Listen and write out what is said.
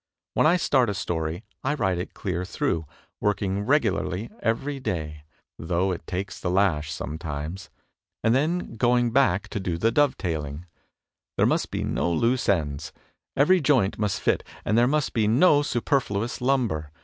When I start a story I write it dear through, working regularly every day, (though it takes the lash sometimes) and then going back to 296 THE TECHNIQUE OF THE MYSTERY STORY do the dovetailing. There must be no loose ends; every joint must fit and there must be no superfluous limiber.